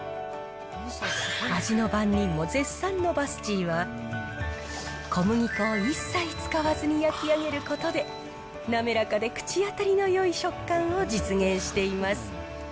味の番人も絶賛のバスチーは、小麦粉を一切使わずに焼き上げることで、滑らかで口当たりのよい食感を実現しています。